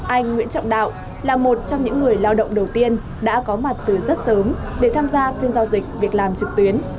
anh nguyễn trọng đạo là một trong những người lao động đầu tiên đã có mặt từ rất sớm để tham gia phiên giao dịch việc làm trực tuyến